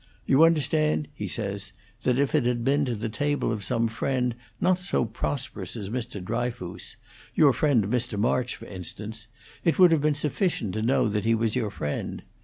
'You understand,' he says, 'that if it had been to the table of some friend not so prosperous as Mr. Dryfoos your friend Mr. March, for instance it would have been sufficient to know that he was your friend.